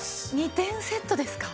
２点セットですか？